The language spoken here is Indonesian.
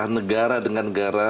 negara dengan negara